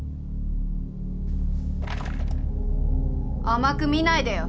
甘く見ないでよ。